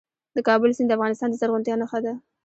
د کابل سیند د افغانستان د زرغونتیا نښه ده.